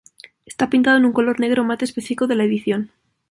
Está pintado en un color negro mate específico de la edición.